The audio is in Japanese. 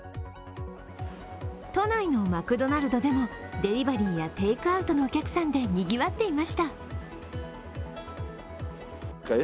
都内のマクドナルドでもデリバリーやテイクアウトのお客さんで賑わっていました。